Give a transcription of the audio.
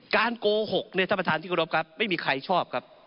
โกหกเนี่ยท่านประธานที่กรบครับไม่มีใครชอบครับ